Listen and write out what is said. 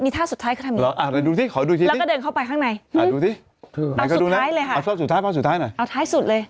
มีท่าสุดท้ายคือทำอย่างนี้แล้วก็เดินเข้าไปข้างในเอาสุดท้ายเลยค่ะเอาท้ายสุดเลย